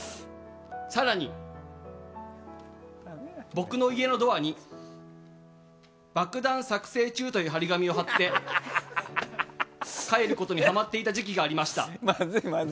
更に、僕の家のドアに爆弾作成中という貼り紙を貼って帰ることにハマっていた時期がありました。